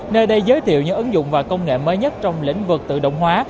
nơi đây giới thiệu những ứng dụng và công nghệ mới nhất trong lĩnh vực tự động hóa